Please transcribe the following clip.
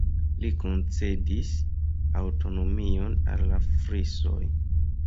Li koncedis aŭtonomion al la Frisoj.